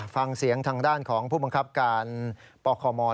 ฟังเสียงทางด้านผู้มันคับการหรูปไดโพกคอร์มอล